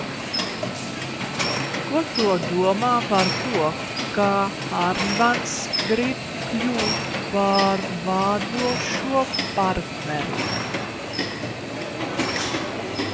Ko tu domā par to, ka Hārdmans grib kļūt par vadošo partneri?